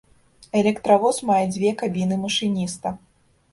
Электравоз мае дзве кабіны машыніста.